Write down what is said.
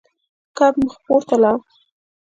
کب مخ پورته لاړ.